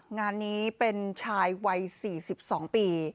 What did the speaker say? งานนี้เป็นชายวัย๔๒ปี